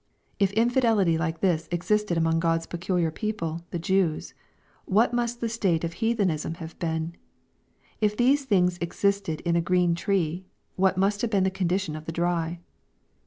If infidelity like this existed among God's peculiar people, the Jews, what must the state of heathenism have been ? If these things existed in a green tree, what must have been the condition of the dry